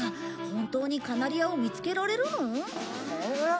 本当にカナリアを見つけられるの？